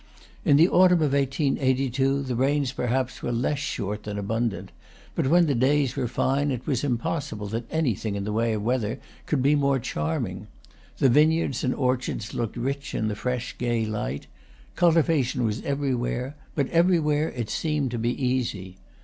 In the autumn of 1882 the rains perhaps were less short than abundant; but when the days were fine it was impossible that anything in the way of weather could be more charming. The vineyards and orchards looked rich in the fresh, gay light; cultivation was everywhere, but everywhere it seemed to be easy.